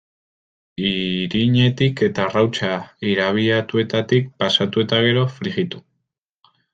Irinetik eta arrautza irabiatuetatik pasatu eta gero, frijitu.